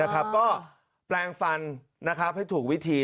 ก็แปลงฟันให้ถูกวิธี